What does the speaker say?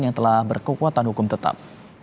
yang telah berkekuatan hukum tetap